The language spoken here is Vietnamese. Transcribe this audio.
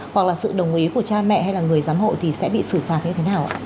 hoặc là sự đồng ý của cha mẹ hay là người giám hộ thì sẽ bị xử phạt như thế nào ạ